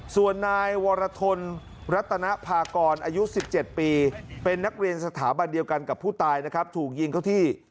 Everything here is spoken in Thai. ส่วนนายวรทนรัตนภากรอายุ๑๗ปี